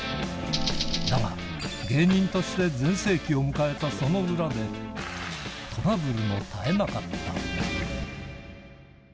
だが、芸人として全盛期を迎えたその裏で、トラブルも絶えなかった。